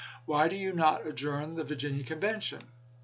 Why do you not adjourn the Virginia Convention